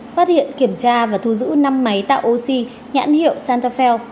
phát hiện kiểm tra và thu giữ năm máy tạo oxy nhãn hiệu santa fel